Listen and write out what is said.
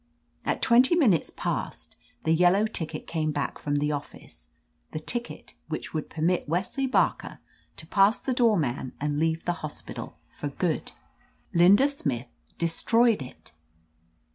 At twenty min utes past, the yellow ticket came back from the office, the ticket which would permit Wesley Barker to pass the door man and leave the hos pital for good. Linda Smith destroyed it.